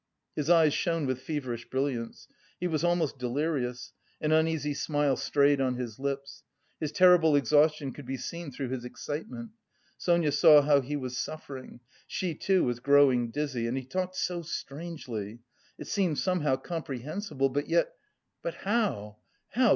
His eyes shone with feverish brilliance. He was almost delirious; an uneasy smile strayed on his lips. His terrible exhaustion could be seen through his excitement. Sonia saw how he was suffering. She too was growing dizzy. And he talked so strangely; it seemed somehow comprehensible, but yet... "But how, how!